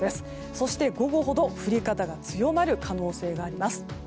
そして、午後ほど降り方が強まる可能性があります。